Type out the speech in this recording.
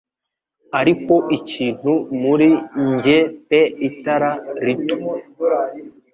Ariko ikintu muri njye pe itara rito